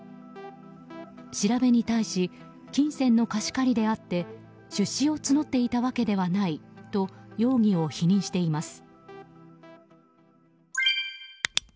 調べに対し金銭の貸し借りであって出資を募っていたわけではないと容疑を否認しています。